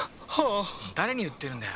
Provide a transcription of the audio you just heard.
だれにいってるんだよ。